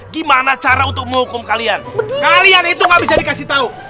gimana cara untuk menghukum kalian kalian itu gak bisa dikasih tahu